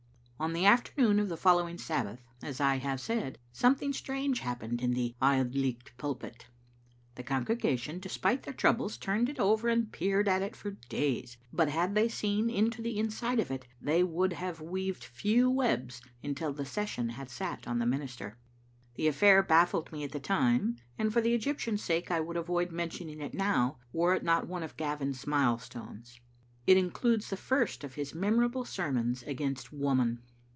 On the afternoon of the following Sabbath, as I hare •aid, something strange happened in the Auld Licht pulpit The congregation, despite their troubles, turned it over and peered at it for days, but had they seen into the inside of it they would have weaved few webs until the session had sat on the minister. The affair baffled me at the time, and for the Egyptian's sake I would avoid mentioning it now, were it not one of Gavin's milestones. It includes the first of his memorable sermons against Woman.